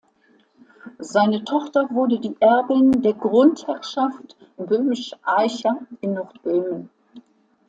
Seine Tochter wurde die Erbin der Grundherrschaft Böhmisch-Aicha in Nordböhmen.